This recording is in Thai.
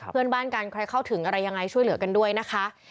เพื่อนบ้านกันใครเข้าถึงอะไรยังไงช่วยเหลือกันด้วยนะคะ